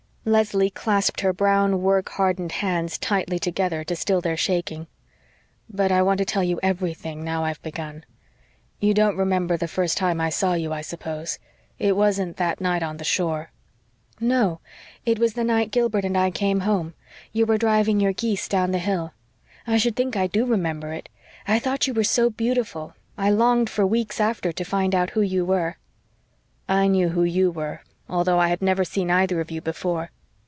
Leslie clasped her brown, work hardened hands tightly together to still their shaking. "But I want to tell you everything, now I've begun. You don't remember the first time I saw you, I suppose it wasn't that night on the shore " "No, it was the night Gilbert and I came home. You were driving your geese down the hill. I should think I DO remember it! I thought you were so beautiful I longed for weeks after to find out who you were." "I knew who YOU were, although I had never seen either of you before.